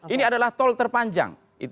ini adalah tol terpanjang